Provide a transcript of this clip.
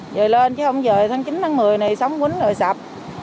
về lên chứ không về tháng chín tháng một mươi này sóng quýnh rồi sập